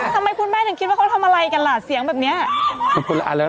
คุณแม่เนี่ย